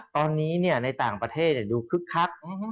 ตอนนี้ในต่างประเทศดูคึกคัก